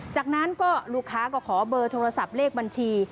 จากนั้นก็ลูกค้าก็ขอเบอร์โทรศัพท์เลขบัญชี